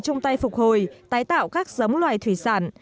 chung tay phục hồi tái tạo các giống loài thủy sản